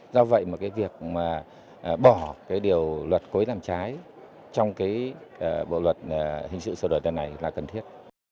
do vậy mà việc bỏ điều luật cố ý làm trái trong bộ luật hình sự sửa đổi này là cần thiết